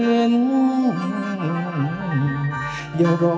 ขอเสียงพร้อมมือส่วนเลยครับ